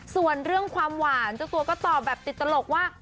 ส่วนเรื่องความหวานเจ้าตัวก็ตอบแบบติดตลกว่า